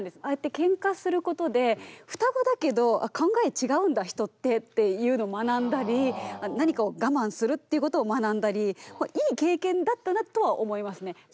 ああやってケンカすることで双子だけど考え違うんだ人ってっていうのを学んだり何かを我慢するっていうことを学んだりいい経験だったなとは思いますね。